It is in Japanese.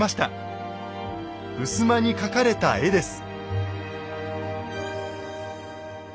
ふすまに描かれた絵です。